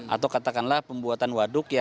atau katakanlah pembuatan waduk